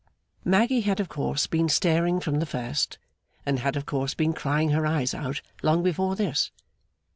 Maggy had of course been staring from the first, and had of course been crying her eyes out long before this.